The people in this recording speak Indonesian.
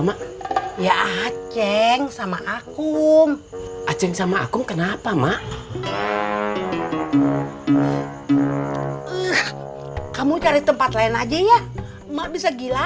mak ya aceng sama aku aceng sama aku kenapa mak kamu cari tempat lain aja ya mak bisa gila